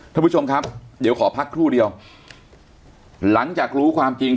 ท่านผู้ชมครับเดี๋ยวขอพักครู่เดียวหลังจากรู้ความจริง